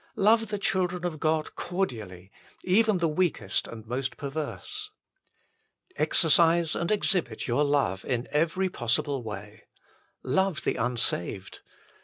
Love the children of God cordially, even the weakest and most perverse. Exercise and exhibit your love in every possible way. Love the unsaved.